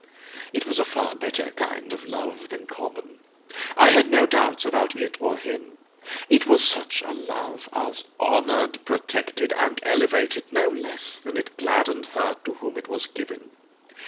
It was a far better kind of love than common; I had no doubts about it or him: it was such a love as honoured, protected, and elevated, no less than it gladdened her to whom it was given.